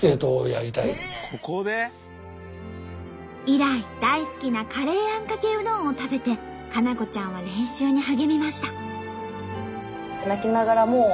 以来大好きなカレーあんかけうどんを食べて佳菜子ちゃんは練習に励みました。